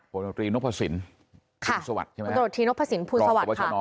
ผลตรีนพลภูมิสวัสดิ์ใช่ไหมครับ